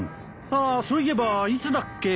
ああそういえばいつだっけ？